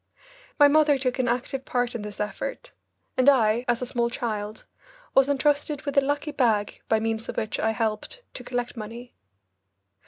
My mother took an active part in this effort, and I, as a small child, was entrusted with a lucky bag by means of which I helped to collect money.